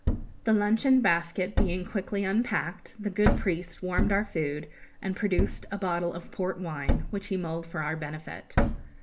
The luncheon basket being quickly unpacked, the good priest warmed our food and produced a bottle of port wine, which he mulled for our benefit.